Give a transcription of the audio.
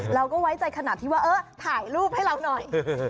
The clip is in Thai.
ไว้ใจขนาดที่ว่าเออถ่ายรูปให้เราหน่อย